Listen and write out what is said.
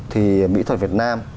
thì mỹ thuật việt nam